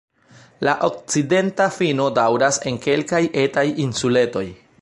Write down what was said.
La okcidenta fino daŭras en kelkaj etaj insuletoj.